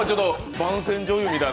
番宣女優みたいな。